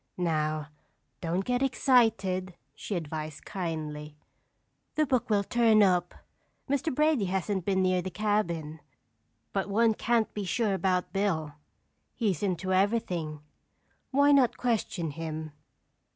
"Now, don't get excited," she advised kindly. "The book will turn up. Mr. Brady hasn't been near the cabin, but one can't be sure about Bill. He's into everything. Why not question him?"